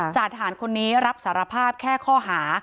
จ่าทหารคนนี้รับสารภาพแค่ข้อหา